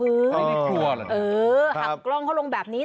เออหักกล้องเขาลงแบบนี้